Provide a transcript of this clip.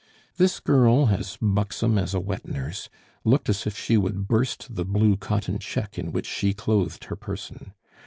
This girl, as buxom as a wet nurse, looked as if she would burst the blue cotton check in which she clothed her person.